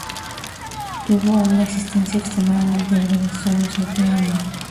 Tuvo una existencia extremadamente breve, solo siete años.